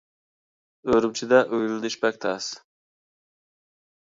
ئۈرۈمچىدە ئۆيلىنىش بەك تەس.